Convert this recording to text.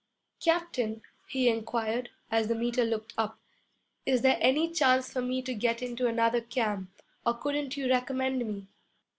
'Captain,' he inquired, as the Meter looked up, 'is there any chance for me to get into another camp or couldn't you recommend me?'